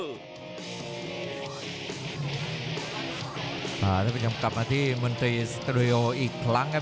จะมาจะกลับมาที่มนตรีอีกครั้งครับ